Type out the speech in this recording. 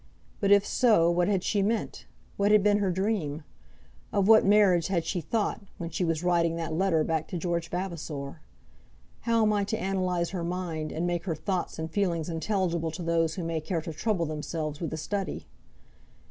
But if so what had she meant; what had been her dream? Of what marriage had she thought, when she was writing that letter back to George Vavasor? How am I to analyse her mind, and make her thoughts and feelings intelligible to those who may care to trouble themselves with the study?